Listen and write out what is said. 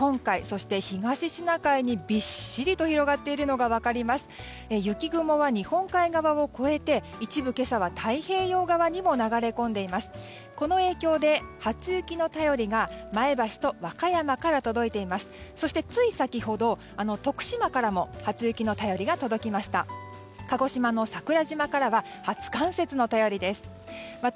そしてつい先ほど徳島からも初雪の便りが届きました。